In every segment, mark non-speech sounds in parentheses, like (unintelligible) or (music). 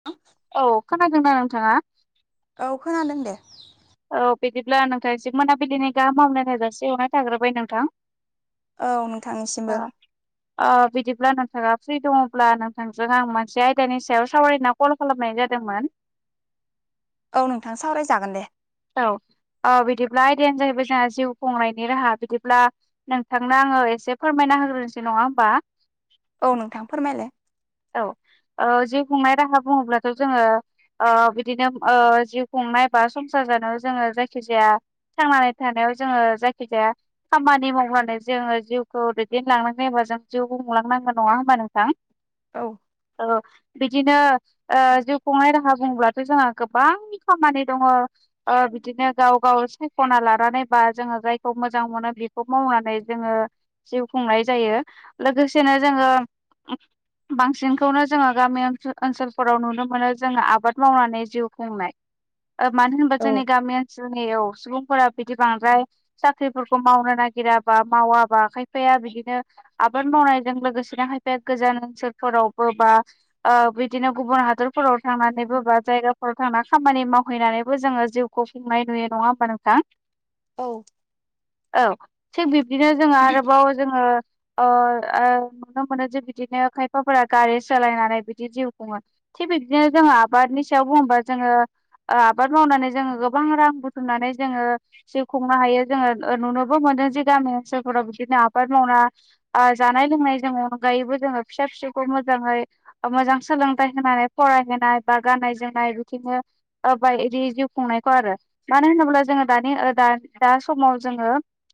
(inaudible) (unintelligible) औ खोनादों ना नोंथाङा? औ खोनादों दे। औ बिदिब्ला नोंथांनिसिम मोनाबिलिनि गाहाम हामालायनाय जासिहरनाय थाग्रोबाय नोंथां। औ ओ नोंथांनिसिमबो। ओ बिदिब्ला नोंथाङा फ्रि दङब्ला नोंथांजों आं मोनसे आयदानि सायाव सावरायनो फल खालामनाय जादोंमोन। औ नोंथां सावरायजागोन दे। औ औ बिदिब्ला आयदायानो जाहैबाय जोंना जिउ खुंनायनि राहा बिदिब्ला नोंथांनो आङो एसे फोरमायना होग्रोनोसै नङा होमबा औ नोंथां फोरमायलाय औ। ओ जिउ खुंनाय राहा बुङोब्लाथ' जोङो ओ बिदिनो ओ जिउ खुंनाय बा सं सार जानायाव जोङो जायखिजाया थांनानै थानायाव जोङो जायखिजाया खामानि मावबानो जोङो जिउखौ दैदेनलांनांगौ एबा जों जिउ खुंलांनांगौ नङा होमबा नोंथां? (inaudible) (unintelligible) औ। ओ बिदिनो ओ जिउ खुंनाय राहा बुङोबाथ' जोंहा गोबां खामानि दंङ ओ बिदिनो गाव गाव सायख'ना लानानै बा जोङो जायखौ मोजां मोनो बेखौ मावनानै जोङो जिउ खुंनाय जायो लोगोसेनो जोङो बांसिनखौनो जोङो गामि ओनसोलफोराव नुनो मोनो जोङो आबाद मावनानै जिउ खुंनाय। ओ मानो होनबा जोंनि औ गामि ओनसोलनियाव सुबुंफोरा बिदि बांद्राय साख्रिफोरखौ मावनो नागिराबा मावाबा खायफाया बिदिनो आबाद मावनायजों लोगोसेनो हायफाया गोजान ओनसोलफोरावबो बा ओ बिदिनो गुबुन हादरफोराव थांनानै ब बा जायगाफोराव थांनानै खामानि मावहैनानै जोङो जिउखौ खुंनाय नुयो नङा होमबा नोंथां? औ। औ थिग बिब्दिनो जोङो आरोबाव जोङो अ नुनो मोनो जे बिदिनो खायफाफोरा गारि सालायनानै बिदि जिउ खुङो। थिग बिदिनो जोङो आबादनि सायाव बुङोबा जोङो आबाद मावनानै जोङो गोबां रां बुथुमनानै जोङो जि खुंनो हायो। जोङो ओ नुनोबो मोनो जे गामि ओनसोलफोराव बिदिनो आबाद मावना जानाय लोंनायजों अनगायैबो जोङो फिसा फिसौखौ मोजाङै मोजां सोलोंथाइ होनानै फरायहोनाय बा गाननाय जोमनाय बिदिनो बा इदि जिउ खुंनायखौ आरो। मानो होनोब्ला जोङो दानि दा दा समाव जोङो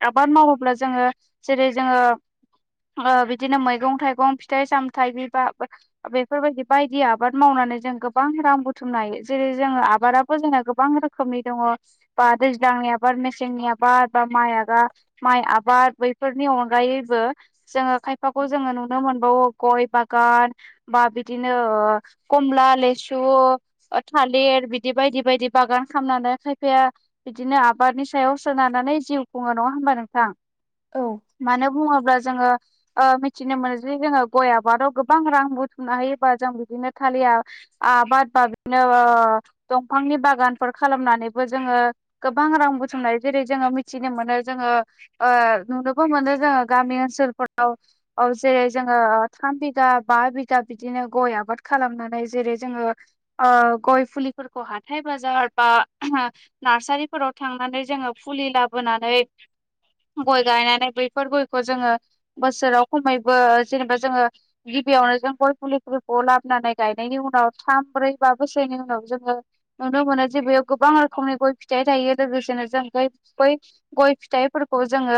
आबाद मावोब्ला जोङो जेरै जोङो बिदिनो मैगं थाइगं फिथाइ सामथायाइ बिबा बेफोरबायदि बायदि आबाद मावनानै जों गोबां रां बुथुमनो हायो। जेरै जोङो आबादा जों गोबां रोखोमनि दङ बा दैज्लांनि आबाद मेसेंनि आबाद बार बा माइ आगा माइ आबार बै फोरनि अनगायैबो जोङो खायफाखौ जोङो नुनो मोनबावो गय बागान बा बिदिनो कमला लेसु थालिर बि बायदि बायदि बागान खालामामनानै खायफाया बिदिनो आबादनि सायाव सोनारानानै जिउ खुङो नङा होनबा नोंथां? मानो बुङोब्ला जोङो ओ मिथिनो मोनो जे जोङो गय आबादाव गोबां रां बुथुमनो हायोबा जों बिदिनो थालिया आबाद बा बिनो दंफांनि बागानफोर खालामनानैबो जोङो गोबां रां बुथुमनाय जेरै जोङो मिथिनो मोनो जोङो नुनोबो मोनो जोङो गामि ओनसोलफोराव औ जेरै जोङो थाम बिगा बा बिगा बिदिनो गय आबाद खालामनानै जेरै जोङो गय फुलिफोरखौ हाथाय बाजार बा नारसारिफोराव थांनानै जोङो फुलि लाबोनानै गय गायनानै बैफोर गयखौ जोङो बोसोराव खमैबो जेनेबा जोङो गिबियावनो जों गय फुलिुलिफोरखौ लाबोनानै गायनायनि उनाव थाम ब्रै बा बोसोरनि उनाव जों नुनो मोनो जे बेयाव गोबां रोखोमनि गय फिथाइ थायो लोगोसेनो जों गय बै गय फिथाइफोरखौ जोङो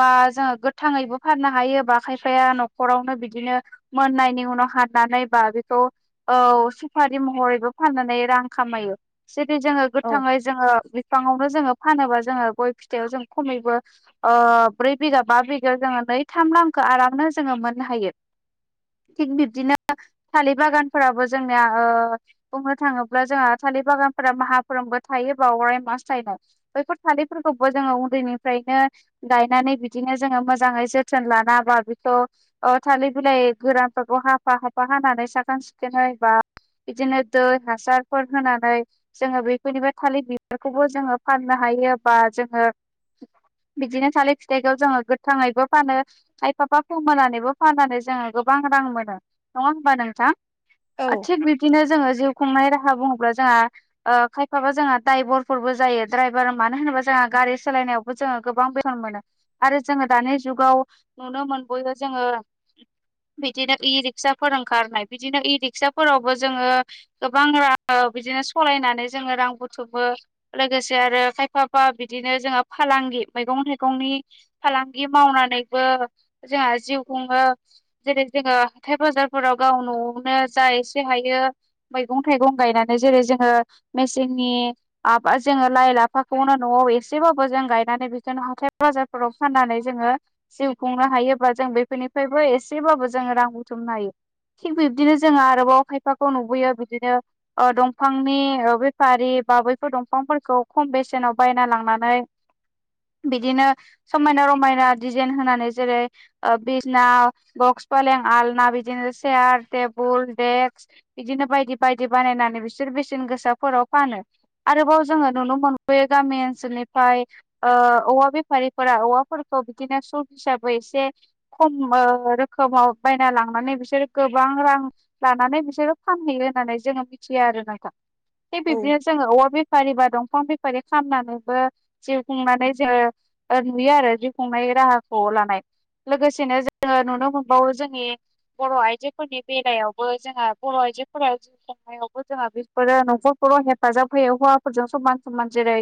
बा जोङो गोथाङैबो फाननो हायो ब खायफाया न'खरावनो बिदिनो मोननायनि उनाव हारनानैबा बेखौ औ सुफारि महरैबो फाननानै रां खामायो जेरै जोङो औ गोथाङै जोङो बिफांआवनो जोङो फानोबा जोङो गय फिथाइयाव जों खमैबो ओ ब्रै बिगा बा बिगायाव जोङो नै थाम रांखौ आरामनो जोङो मोननो हायो। थिग बिब्दिनो थालिर बागानफोराबो जोंनिया बुंनो थाङोब्ला जोंहा थालिर बागानफोरा माहाफ्रोमबो थायोबा अराय मास थाइनाय बैफोर थालिरफोरखौबो जोङो उन्दैनिफ्रायनो गायनानै बिदिनो जोङो मोजाङै जोथोन न लाना बाबिखौ अ थालिर बिलाइ गोरानफोरखौ हाफा हाफा हानानै साखोन सिखोनै बा बिदिनो दै हासारफोर होनानै जोङो बेफोरनिफ्राय थालिर बिबारखौबो जोङो फाननो हायो बा जोङो बिदिनो थालिद फिथाइखौ जोङो गोथाङैबो फानो। खाइफा फोमोननानैबो फाननानै जोङो गोबां रां मोनो नङा होमबा नोंथां। औ थिग बिब्दिनो जोङो जिउ खुंनाय राहा बुङोब्ला जोंआ खायफाबा जोंहा द्राइभारफोरबो जायो द्रायभार मानो होनोबा जोंहा गारि सालायनायाव जोङो गोबां बेथन मोनो आरो जोङो दानि जुगाव नुनो मोन बयबो जोङो बिदिनो इ रिक्साफोर ओंखारनाय बिदिनो इ रिक्साफोरावबो जोङो गोबां रां बिदिनो सालायनानै जोङो रां बुथुमो लोगोसे आरो खायफाफा बिदिनो जोंआ फालांगि मैगं थाइगंनि फालांगि मावनानैबो जोंहा जिउ खुङो। जेरै जोङो हाथाय बाजारफोराव गाव न'आवनो जा एसे हायो। मैगं थाइगं गायनानै जेरै जोङो मेसेंनि आबा जोङो लाइ लाफाखौनो न'आव एसेबाबो जों गायनानै बिखोनो हाथाय बाजार फ्राव फाननानै जोङो जिउ खुंनो हायोबा जों बेफोरनिफ्रायबो एसेबाबो जोङो रां बुथुमनो हायो थिग बिब्दिनो जोङो आरोबाव खायफाखौ नुबोयो बिदिनो ओ दंफांनि ओ बेफारि बा बैफोर दंफांफोरखौ खम बेसेनाव बायना लांनानै बिदिनो समायना रमायना दिजेन होनानै जेरै ओ बिसिना बक्स फालें आलना बिदिनो चेयार टेबोल डेक्स बिदिनो बायदि बायदि बानायनानै बिसोर बेसेन गोसाफोराव फानो आरोबाव जोङो नुनो मोनबावो गामि ओनसोलनिफ्राय ओ औवा बेफारिफोरा औवाफोरखौ बिदिनो सु हिसाबै एसे खम रोखोमाव बायना लांनानै बिसोरो गोबां रां लानानै बिसोरो फानहैयो । नानै जोङो मिथिया आरो नोंथा थिग औ बिबदिनो जोङो औवा बेफारि बा दंफां बिब बेफारि खालामनानैबो जिउ खुंनानै जोङो ओ नुयो आरो जिउ खुंनाय राहाखौ लानाय। लोगोसेनो जोङो नुनो मोनबावो जोंनि बर' आइजोफोरनि बेलायावबो जोंहा बर' आइजोफोरा हायावबो जोंहा बेफोरो नखरफोराव हेफाजाब होयो हौवाफोरजों समान समान जेरै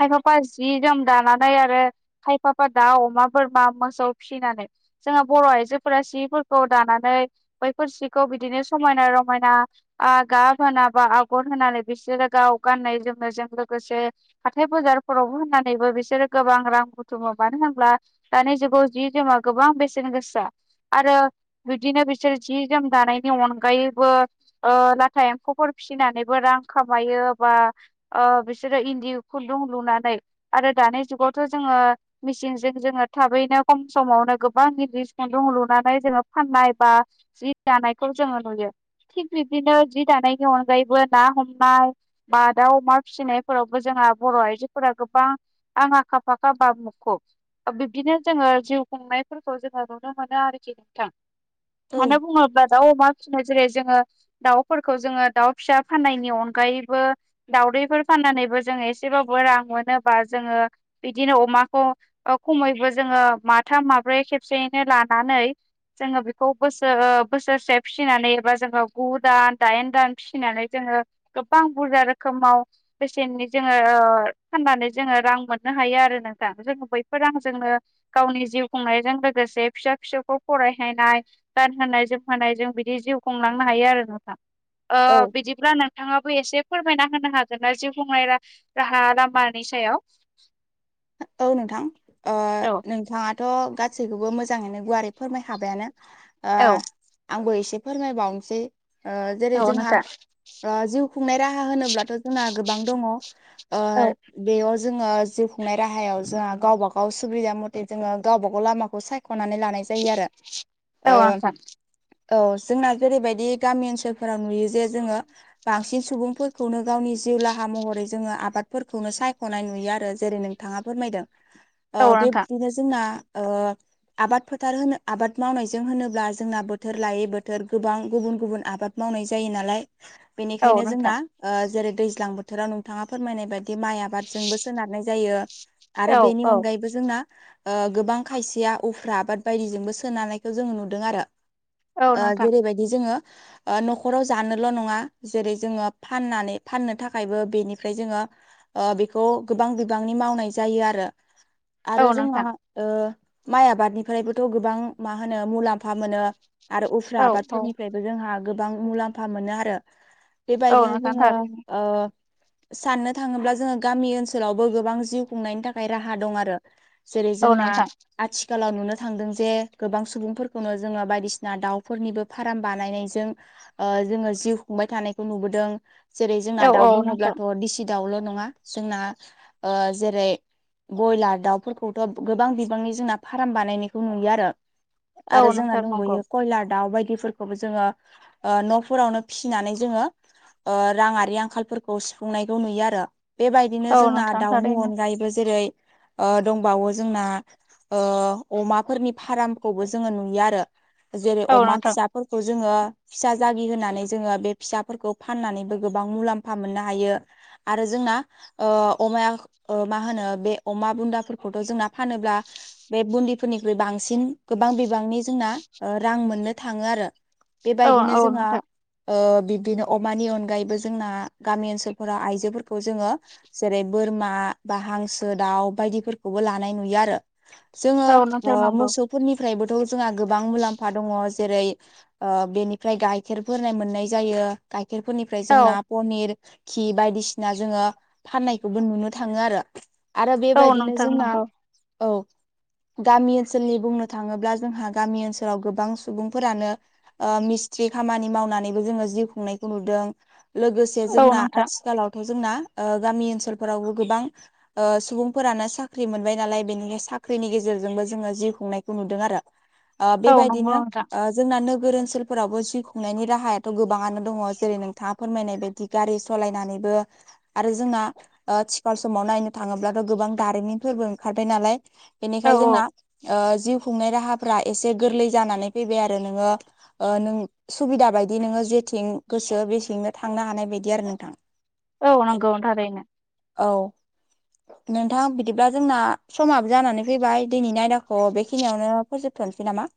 खायफाफा जि जोम दानानै आरो खायफाफा दा अमा बोरमा मोसौ फिनानै जोंहा बर आइजोफोरा सिफोरखौ दानानै बैफोर सिखौ बिदिनो समायना रमायना आ गाब होनोना बा आगर होनानै बिसोरो गाव गाननाय जोमनायजों लोगोसे हाथाय बाजारफोरावबो होननानैबो बिसोरो गोबां रां बुथुमो मानो होनब्ला दानि जुगाव जि जोमा गोबां बेसेन गोसा आरो बिदिनो बिसोर जि जोम दानायनि अनग अगायैबो ओ लाथा एम्फौफोर फिसिनानैबो रां खामायो बा बिसोरो इन्दि खुन्दुं लुनानै आरो दानि जुगावथ जोङो। मिचिनजों जोङो थाबैनो खम समावनो गोबां निरि खुन्दुं लुनानै जोङो फाननाय बा जि दानायखौ जोङो नुयो थिग बिब्दिनो जि दानायनि अनगायैबो ना हमनाय बा दाउ अमा फिसिनायफोरावबो जोंहा बर' आइजोफोरा गोबां आं आखा फाखा बाब (unintelligible) ओ बिब्दिनो जोङो जिउ खुंनायफोरखौ जोङो नुनो मोनो आरोखि नोंथां। मानो बुङोब्ला दाउ अमा फिसिनो जेरै जोङो- दाउफोरखौ जोङो दाउ फिसा फाननायनि अनगायैबो दाउदैफोर फाननानैबो जोङो एसेबाबो रां मोनोबा जोङो बिदिनो अमाखौ खमैबो जोङो माथाम माब्रै खेबसेयैनो लानानै जोङो बेखौ बोसो ओ बोसोरसे फिसिनानै एबा जोङो गु दान दाइन दान फिसिनानै जोङो गोबां बुरजा रोखोमाव बेसेनै जोङो फाननानै जोङो रां मोननो हायो आरो नोंथां जों बयफोर रांजोंनो। गावनि जिउ खुंनायजों लोगोसे फिसा फिसौखौ फरायहैनाय गानहोनाय जोमहोनायजों बिदि जिउ खुंलांनो हायो आरो नोंथां ओ बिदि बिदिब्ला नोंथाङाबो एसे फोरमायना होनो हागोन ना जिउ खुंनाय राहा लामानि सायाव? औ नोंथां ओ नों औ नोंथाङाथ' गासैखौबो मोजाङैनो गुवारै फोरमाय खाबायानो ओ औ आंबो एसे फोरमायबावनोसै ओ जेरै औ जोंहा नोंथां ओ जिउ खुंनाय राहा होनोब्लाथ' जोंना गोबां दङ ओ औ बेयाव जोङो जिउ खुंनाय राहायाव जोंहा गावबा गाव सुबिदा मथे जोङो गावबा गाव लामाखौ साय ख'नानै लानाय जायो आरो औ ओ नोंथां औ जोंना जेरैबायदि गामि ओनसोलफोराव नुयो जे जोङो बांसिन सुबुंफोरखौनो गावनि जिउ राहा महरै जोङो आबादफोरखौनो सायखनाय नुयो आरो जेरै नों थांङा फोरमायदों औ नोंथां बेबदिनो जोंना ओ आबाद फोथार होनो आबाद मावनायजों होनोब्ला जोंना बोथोर लायै बोथोर गोबां गुबुन गुबुन आबाद मावनाय जायो नालाय औ बेनिखायनो जोंना नोंथां ओ जेरै दैज्लां बोथोराव नोंथाङा फोरमायनाय बायदि माइ आबादजोंबो सोनारनाय जायो । आरो औ बेनि औ अनगायैबो जोंना ओ गोबां खायसेया उफ्रा आबाद बायदिजोंबो सोनारनायखो जोङो नुदों आरो। ओ जेरैबायदि जोङो ओ न'खराव जानोल' नङा जेरै जोङो फाननानै फाननो थाखायबो बेनिफ्राय जोङो ओ बेखौ गोबां बिबांनि मावनाय जायो आरो आरो जोहा ओ माइ आबादनिफ्रायबोथ गोबां मा होनो मुलाम्फा मोनो। आरो उफ्रा आबादफोरनिफ्रायबो जोंहा गोबां मुलाम्फा मोनो आरो। औ बेबायदिनो नोंथां जोंङो ओ साननो थाङोब्ला जोङो गामि ओनसोलावबो गोबां जिउ खुंनायनि थाखाय राहा दं आरो जेरै औ जोंना नोंथां आथिखालाव नुनो थांदों जे गोबां सुबुंफोरखौनो जोंङो बायदिसिना दाउफोरनिबो फार्म बानायनायजों ओ जोङो जिउ खुंबाय थानायखौ नुबोदों जेरै जोंना औ दाउ औ नोंथां थारैनो बुङोब्लाथ' दिसि दाउल' नङा जोंना ओ जेरै बयलार दाउफोरखौथ गोबां बिबांनि जोंना फाराम बानायनायखौ नुयो आरो औ नोंथां औ आरो नोंथां औ जोंना नोंथां नंगौ दंबावयो। कयलार दाउ बायदिफोरखौबो जोंङो ओ न'फोरावनो फिसिनानै जोंङो ओ राङारि आंखालफोरखौ सुफुंनायखौ नुयो आरो बेबायदिनो औ जोंना नोंथां दाउनि थारैनो अन दायबो जेरै ओ दंबावो जोंना ओ अमाफोरनि फार्मखौबो जोंङो नुयो आरो जेरै औ अमा नोंथां फिसा फोरखौ जोंङो फिसा जागि होनानै जोंङो बे फिसाफोरखौ फाननानैबो गोबां मुलाम्फा मोननो हायो। आरो जोंना ओ अमाया ओ मा होनो बे अमा बुन्दाफोरखौथ' जोंना फानोब्ला बे बुन्दिफोरनिख्रुइ बांसिन गोबां बिबांनि जोंना ओ रां मोननो थाङो आरो। औ बेबायदिनो औ जोंहा नोंथां ओ बिब्दिनो अमानि अनगायैबो जोंना गामि ओनसोलफोराव आइजोफोरखौ जोंङो जेरै बोरमा बा हांसो दाउ बायदिफोरखौबो लानाय नुयो आरो जोंङो औ ओ नोंथां नंगौ मोसौ फोरनिफ्रायबोथ' जोंहा गोबां मुलाम्फा दङ जेरै ओ बेनिफ्राय गाइखेरफोरनाय मोननाय जायो। गाइखेरफोरनिफ्राय औ जोंना पनिर घि बायदिसिना जोंङो फाननायखौबो नुनो थाङो आरो आरो औ बेबायदिनो नोंथां जोंना नंगौ औ। गामि ओनसोलनि बुंनो थाङोब्ला जोंहा गामि ओनसोलाव गोबां सुबुंफोरानो ओ मिस्ट्रि खामानि मावनानैबो जोंङो जिउ खुंनायखौ नुदों। लोगोसे औ जोंना नोंथां आथिखालावथ जोंना ओ गामि ओनसोलफोरावबो गोबां ओ सुबुंफोरानो साख्रि मोनबाय नालाय बेनिखाय साख्रिनि गेजेरजोंबो जोंङो जिउ खुंनायखौ नुदों आरो। ओ औ नोंगौ बेबायदिनो नोंथा । ओ जोंना नोगोर ओनसोलफोरावबो जिउ खुंनायनि राहायाथ' गोबाङानो दङ जेरै नोंथाङा फोरमायनाय बायदि गारि स'लायनानैबो आरो जोंना ओ थिख सिखाल समाव नायनो थाङोब्लाथ गोबां दारिमिनफोरबो ओंखारबाय नालाय औ बेनिखाय जोंना ओ जिउ खुंनाय राहाफ्रा एसे गोरलै जानानै फैबाय आरो नोंङो ओ नों सुबिदा बायदि नोंङो जेथिं गोसो बेसेंनो थांनो हानाय बायदि आरो नोंथां। औ नंगौ थारैनो। औ। नोंथां बिदिब्ला जोंना समाबो जानानै फैबाय दिनैनि आयदाखौ बेखिनियावनो फोजोबथनोसै नामा?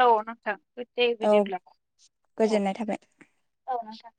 औ नोंथां बिदि औ बिदिब्ला औ गोजोननाय थाबाय औ नोंथां।